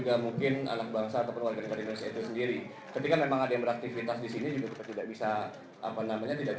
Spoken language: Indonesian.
kami akan melakukan upaya upaya terlebih dahulu agar bisnis kami bisa tetap berjalan